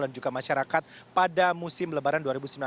dan juga masyarakat pada musim lebaran dua ribu sembilan belas